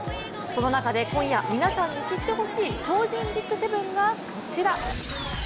その中で今夜、皆さんに知ってほしい超人ＢＩＧ７がこちら。